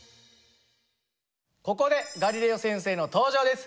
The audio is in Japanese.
ここでガリレオ先生の登場です。